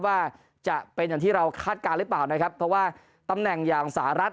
ว่าจะเป็นอย่างที่เราคาดการณ์หรือเปล่านะครับเพราะว่าตำแหน่งอย่างสหรัฐ